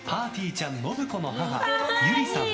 ちゃん信子の母百合さん。